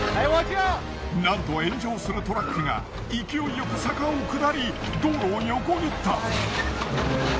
なんと炎上するトラックが勢いよく坂を下り道路を横切った。